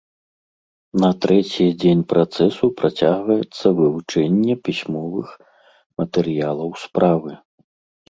На трэці дзень працэсу працягваецца вывучэнне пісьмовых матэрыялаў справы.